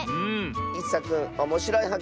いっさくんおもしろいはっ